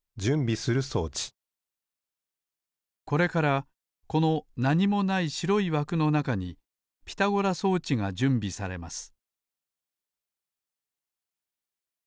これからこのなにもないしろいわくのなかにピタゴラ装置がじゅんびされます